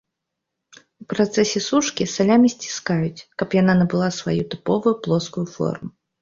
У працэсе сушкі, салямі сціскаюць, каб яна набыла сваю тыповую плоскую форму.